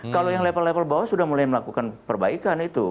kalau yang level level bawah sudah mulai melakukan perbaikan itu